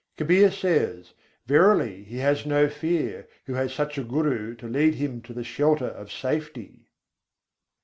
Kabîr says: "Verily he has no fear, who has such a Guru to lead him to the shelter of safety!"